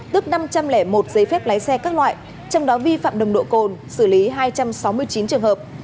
tước năm trăm linh một giấy phép lái xe các loại trong đó vi phạm nồng độ cồn xử lý hai trăm sáu mươi chín trường hợp